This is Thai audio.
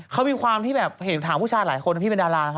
เขาเป็นนางเอกคีมีสานางไง